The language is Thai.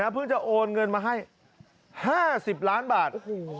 เพิ่งจะโอนเงินมาให้๕๐ล้านบาท